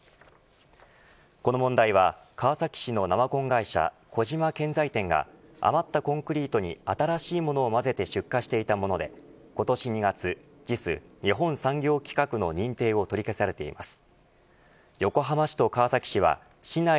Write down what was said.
この問題は、川崎市の生コン会社小島建材店が余ったコンクリートに新しいものをまぜて出荷していたもので今年２月ＪＩＳ、日本産業規格の認定を取り消されています。